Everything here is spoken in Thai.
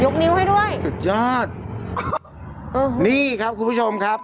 นิ้วให้ด้วยสุดยอดเออนี่ครับคุณผู้ชมครับ